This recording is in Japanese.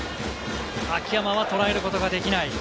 秋山は捉えることができない。